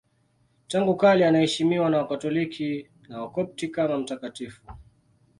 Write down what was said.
Tangu kale anaheshimiwa na Wakatoliki na Wakopti kama mtakatifu.